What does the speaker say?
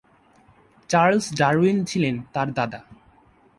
Charles Darwin ছিলেন তার দাদা।